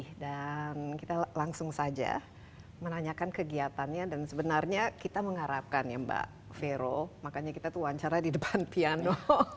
oke dan kita langsung saja menanyakan kegiatannya dan sebenarnya kita mengharapkan ya mbak vero makanya kita tuh wawancara di depan piano